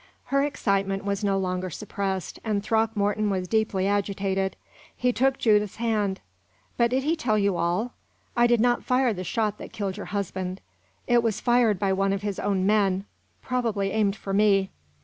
Her excitement was no longer suppressed, and Throckmorton was deeply agitated. He took Judith's hand. "But did he tell you all? I did not fire the shot that killed your husband; it was fired by one of his own men probably aimed for me.